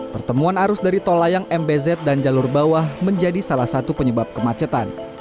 pertemuan arus dari tol layang mbz dan jalur bawah menjadi salah satu penyebab kemacetan